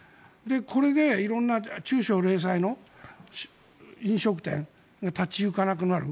これで色んな中小、零細の飲食店が立ち行かなくなる。